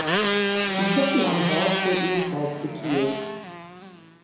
Die Schuppen am Bauch sind ebenfalls gekielt.